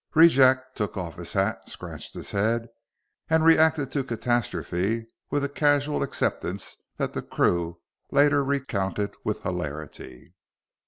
Rejack took off his hat, scratched his head, and reacted to catastrophe with casual acceptance that the crew later recounted with hilarity.